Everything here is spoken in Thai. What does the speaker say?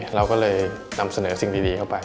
เราก็เลยนำเสนอสิ่งดีเข้าไป